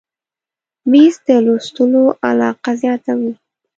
مېز د لوستلو علاقه زیاته وي.